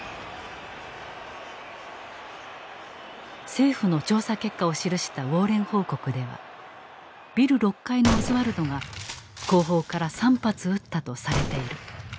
政府の調査結果を記した「ウォーレン報告」ではビル６階のオズワルドが後方から３発撃ったとされている。